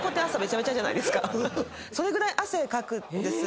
それぐらい汗かくんです。